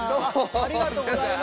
ありがとうございます。